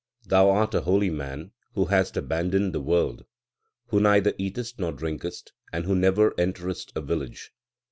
Thou art a holy man who hast abandoned the world, who neither eatest nor drinkest, and who never enterest a village.